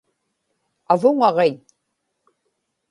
avuŋaġiñ